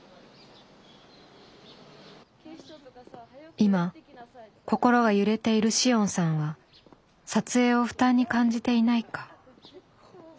今心が揺れている紫桜さんは撮影を負担に感じていないか。